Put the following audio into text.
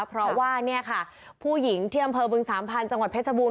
เพราะว่าผู้หญิงเทียมเผอเบืองสามพันธุ์จังหวัดเพชบูรณ์